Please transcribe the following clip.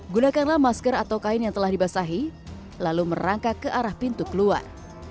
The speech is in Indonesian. gunakanlah masker atau kain yang telah dibasahi lalu merangkak ke arah pintu keluar